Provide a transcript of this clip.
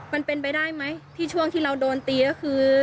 มันเป็นไปได้ไหมที่ช่วงที่เราโดนตีก็คือ